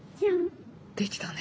できたね。